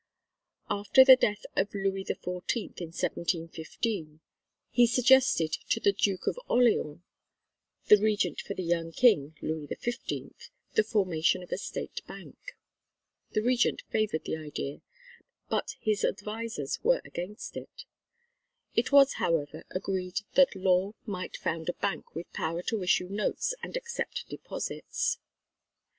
After the death of Louis XIV, in 1715, he suggested to the Duke of Orleans, the Regent for the young King (Louis XV), the formation of a State Bank. The Regent favoured the idea, but his advisers were against it; it was, however, agreed that Law might found a bank with power to issue notes and accept deposits.